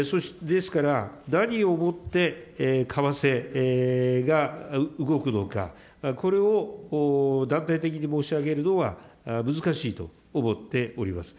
ですから、何をもって為替が動くのか、これを断定的に申し上げるのは難しいと思っております。